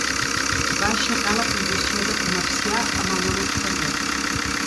Va aixecar la prohibició de comerciar amb el món exterior.